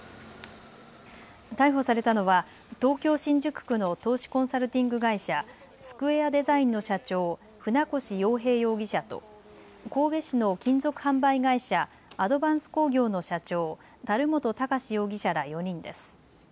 逮捕されたのは東京新宿区の投資コンサルティング会社、ＳＱＵＡＲＥＤＥＳＩＧＮの社長、船越洋平容疑者と神戸市の金属販売会社、アドヴァンス工業の社長、樽本貴司容疑者ら４人です。